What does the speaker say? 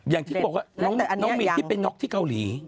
อย่างที่บอกว่าน้องมีนที่ไปน็อกที่เกาหลี